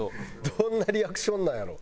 どんなリアクションなんやろう？